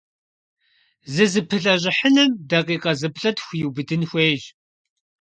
ЗызыпылъэщӀыхьыным дакъикъэ зыплӏытху иубыдын хуейщ.